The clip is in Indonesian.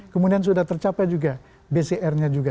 kemudian sudah tercapai juga bcr nya juga